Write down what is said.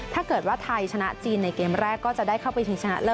ถ้าเกิดว่าไทยชนะจีนในเกมแรกก็จะได้เข้าไปชิงชนะเลิ